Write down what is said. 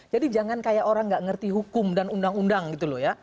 jadi jangan kayak orang nggak ngerti hukum dan undang undang gitu loh ya